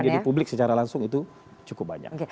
jadi publik secara langsung itu cukup banyak